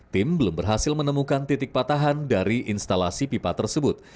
tim belum berhasil menemukan titik patahan dari instalasi pipa tersebut